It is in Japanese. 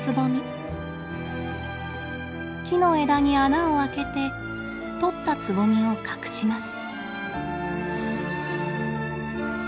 木の枝に穴を開けてとったつぼみを隠します。